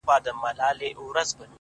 • ته خبر نه وي ما سندري درته کړلې اشنا,